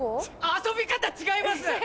遊び方違います！